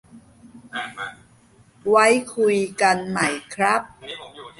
ไว้คุยกันใหม่ครับ